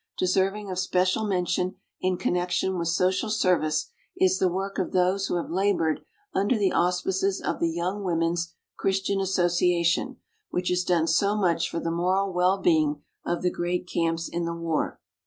Deserv ing of special mention in connection with social service is the work of those who have labored under the auspices of the Young Women's Christian Association, which has done so much for the moral well being of the great camps in the war.